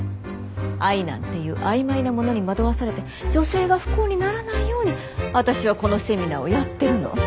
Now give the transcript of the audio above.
愛なんていう曖昧なものに惑わされて女性が不幸にならないように私はこのセミナーをやってるの。